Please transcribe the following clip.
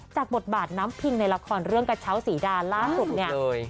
บทบาทน้ำพิงในละครเรื่องกระเช้าสีดาล่าสุดเนี่ย